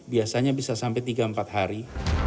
biasanya bisa sampai tiga empat hari